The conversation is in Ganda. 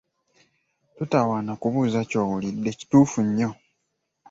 Totawaana kubuuza kyowulidde kituufu nnyo.